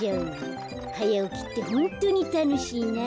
はやおきってホントにたのしいな。